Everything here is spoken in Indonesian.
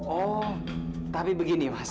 oh tapi begini mas